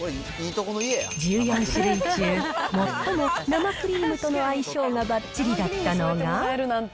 １４種類中、最も生クリームとの相性がばっちりだったのが。